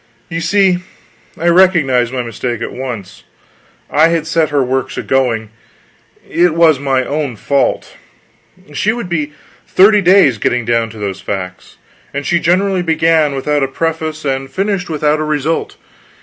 You see, I recognized my mistake at once. I had set her works a going; it was my own fault; she would be thirty days getting down to those facts. And she generally began without a preface and finished without a result.